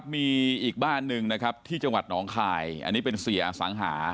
มีอีกบ้านหนึ่งนะครับที่จังหวัดหนองคายอันนี้เป็นเสียอสังหา